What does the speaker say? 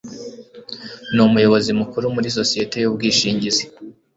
ni umuyobozi mukuru muri sosiyete yubwishingizi.